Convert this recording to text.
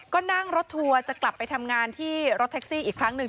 ก็นั่งรถทัวร์จะกลับไปทำงานที่รถแท็กซี่อีกครั้งหนึ่ง